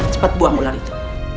cepat buang ular itu